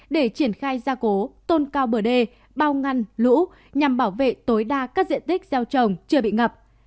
để triển khai gia cố tôn cao bờ đê bao ngăn lũ nhằm bảo vệ tối đa các diện tích gieo trồng chưa bị ngập